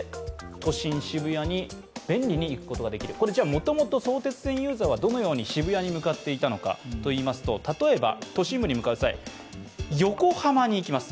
もともと相鉄線ユーザーはどのように渋谷に向かっていたのか例えば、都心部に向かう際横浜に行きます。